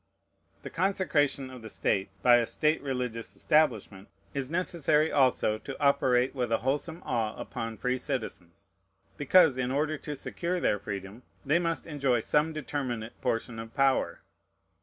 The consecration of the state by a state religious establishment is necessary also to operate with a wholesome awe upon free citizens; because, in order to secure their freedom, they must enjoy some determinate portion of power.